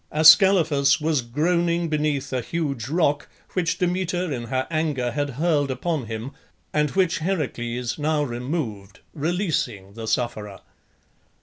Ascalaphus was groaning beneath a huge rock which Demeter in her anger had hurled upon him, and which Heracles now removed, releasing the sufferer.